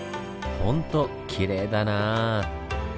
ほんときれいだなぁ。